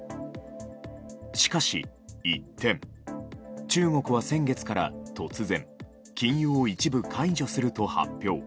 しかし、一転中国は先月から突然禁輸を一部解除すると発表。